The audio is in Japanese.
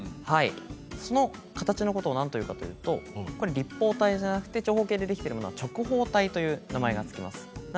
その形のことをなんというかというと立方体ではなくて長方形でできているものは直方体という名前が付きます。